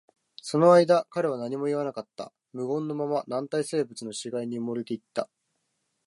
その間、彼は何も言わなかった。無言のまま、軟体生物の死骸に埋もれていった。